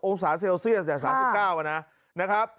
๓๙องศาเซลเซียสแต่๓๙อ่ะนะนะครับ